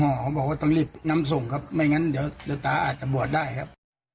หมอบอกว่าต้องรีบนำส่งครับไม่งั้นเดี๋ยวตาอาจจะบวชได้ครับ